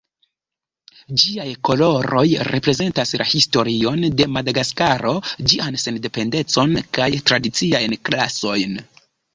Ĝiaj koloroj reprezentas la historion de Madagaskaro, ĝian sendependecon kaj tradiciajn klasojn.